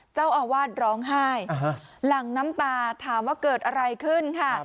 เจ้าอาวาสร้องไห้หลังน้ำตาถามว่าเกิดอะไรขึ้นค่ะ